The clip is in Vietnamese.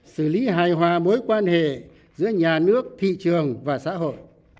xử lý hài hòa mối quan hệ giữa nhà nước thị trường và xã hội